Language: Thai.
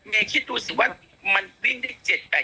เมย์คิดดูสิว่ามันวิ่งได้๗๘กิโลกรัม